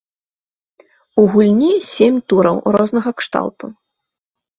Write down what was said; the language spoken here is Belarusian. У гульні сем тураў рознага кшталту.